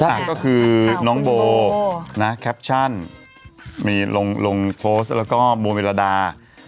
ก็คือน้องโบนะแคปชั่นมีลงโพสต์แล้วก็โบเมลดา